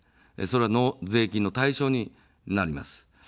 それは税金の対象になります。